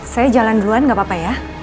saya jalan duluan gak apa apa ya